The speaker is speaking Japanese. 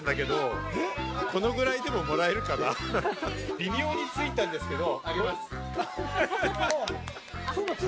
微妙についたんですけれど。